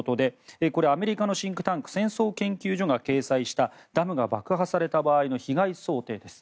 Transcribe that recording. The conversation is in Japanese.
アメリカのシンクタンク戦争研究所が掲載したダムが爆破された場合の被害想定です。